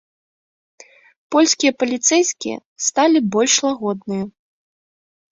Польскія паліцэйскія сталі больш лагодныя.